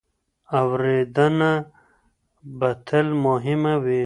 اورېدنه به تل مهمه وي.